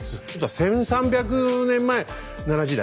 １，３００年前奈良時代？